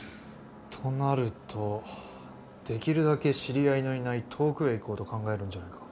となるとできるだけ知り合いのいない遠くへ行こうと考えるんじゃないか。